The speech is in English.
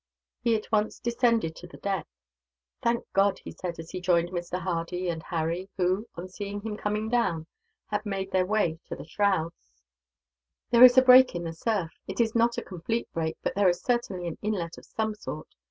He at once descended to the deck. "Thank God!" he said, as he joined Mr. Hardy and Harry who, on seeing him coming down, had made their way to the shrouds, "there is a break in the surf. It is not a complete break, but there is certainly an inlet of some sort.